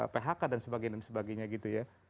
phk dan sebagainya gitu ya